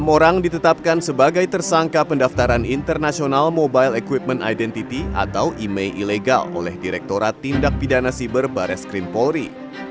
enam orang ditetapkan sebagai tersangka pendaftaran internasional mobile equipment identity atau imei ilegal oleh direkturat tindak pidana siber bares krim polri